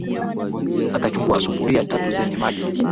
Akachukua sufuria tatu zenye maji.